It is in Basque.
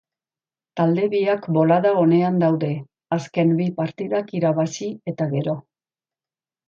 Talde biak bolada onean daude, azken bi partidak irabazi eta gero.